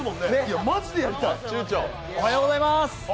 おはようございます。